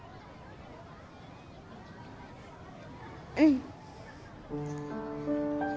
うん。